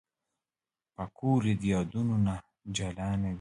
پکورې د یادونو نه جلا نه دي